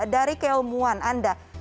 dari keilmuan anda